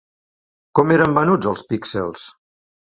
Com eren venuts els píxels?